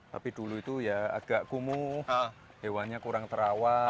tapi dulu itu ya agak kumuh hewannya kurang terawat